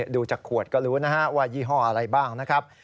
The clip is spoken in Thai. ดูจากขวดก็รู้นะฮะว่ายี่ห้ออะไรบ้างนะครับ